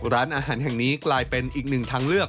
ร้านอาหารแห่งนี้กลายเป็นอีกหนึ่งทางเลือก